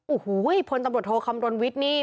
โอ้โฮพนตรวจโทรคำรวชวิทย์นี้